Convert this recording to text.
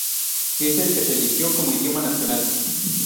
Es el que se eligió como idioma nacional.